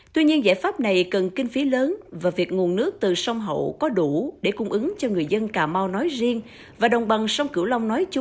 tuy nhiên giải pháp này cần kinh phí lớn và việc nguồn nước từ sông hậu có đủ để cung ứng cho người dân cà mau nói riêng và đồng bằng sông cửu long nói chung